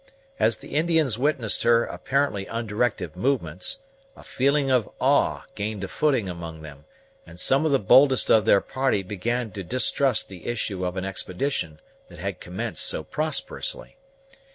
As the Indians witnessed her apparently undirected movements, a feeling of awe gained a footing among them, and some of the boldest of their party began to distrust the issue of an expedition that had commenced so prosperously.